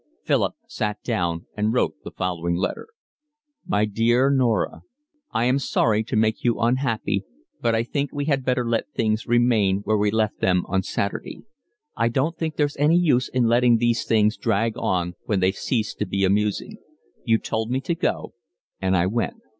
Philip sat down and wrote the following letter: My dear Norah, I am sorry to make you unhappy, but I think we had better let things remain where we left them on Saturday. I don't think there's any use in letting these things drag on when they've ceased to be amusing. You told me to go and I went.